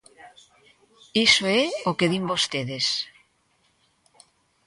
Iso é o que din vostedes.